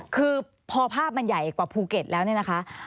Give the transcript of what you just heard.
คือพอภาพมันใหญ่กว่าภูเก็ตแล้วเนี่ยนะคะ